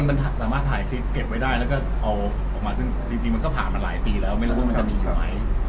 เอาจริงไปแล้วก็เอาออกมาจริงก็ผ่านมาหลายปีแล้วไม่รู้มันจะมีอยู่ไหม